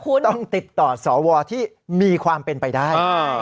คุณต้องติดต่อสวที่มีความเป็นไปได้